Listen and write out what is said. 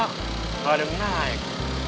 gak ada yang naik